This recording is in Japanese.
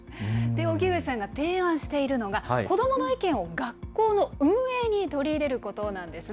荻上さんが提案しているのが子どもの意見を学校の運営に取り入れることなんですね。